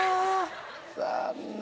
残念。